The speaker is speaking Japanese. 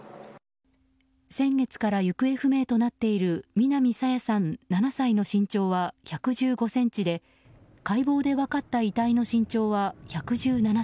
先月から行方不明となっている南朝芽さん、７歳の身長は１１５ｃｍで解剖で分かった遺体の身長は１１７ｃｍ。